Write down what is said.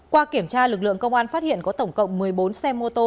qua kiểm tra lực lượng công an phát hiện có tổng cộng một mươi bốn xe mô tô